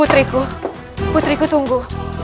putriku putriku tunggu